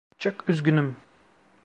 Çok üzgünüm!